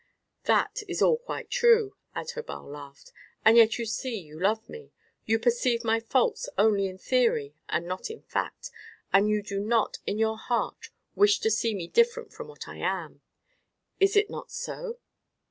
"That is all quite true," Adherbal laughed; "and yet you see you love me. You perceive my faults only in theory and not in fact, and you do not in your heart wish to see me different from what I am. Is it not so?"